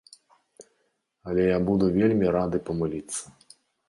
Але я буду вельмі рады памыліцца.